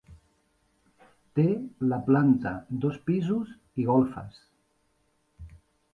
Té la planta, dos pisos i golfes.